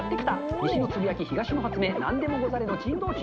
西のつぶやき、東の発明、なんでもござれの珍道中。